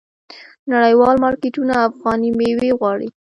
نړیوال مارکیټونه افغاني میوې غواړي.